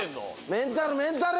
メンタルメンタル！